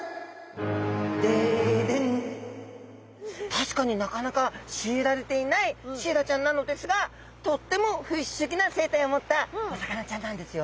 確かになかなかシイラれていないシイラちゃんなのですがとっても不思議な生態を持ったお魚ちゃんなんですよ。